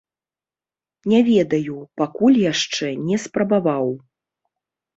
Не ведаю, пакуль яшчэ не спрабаваў.